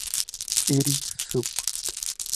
Iris subg.